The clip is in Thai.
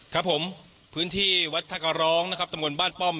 ครับผมพื้นที่วัดท่ากระร้องนะครับตำบลบ้านป้อม